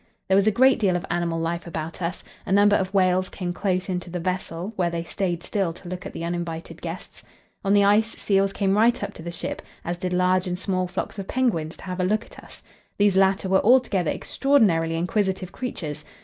There was a great deal of animal life about us. A number of whales came close in to the vessel, where they stayed still to look at the uninvited guests. On the ice seals came right up to the ship, as did large and small flocks of penguins, to have a look at us. These latter were altogether extraordinarily inquisitive creatures.